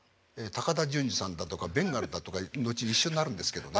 高田純次さんだとかベンガルだとか後に一緒になるんですけどね。